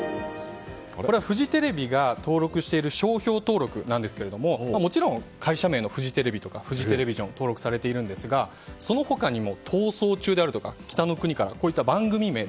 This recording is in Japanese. これはフジテレビが登録している商標登録なんですがもちろん会社名のフジテレビやフジテレビジョンとかが登録されているんですがその他にも「逃走中」であるとか「北の国から」の番組名